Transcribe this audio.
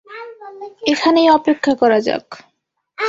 এখানেই অপেক্ষা করা যাক।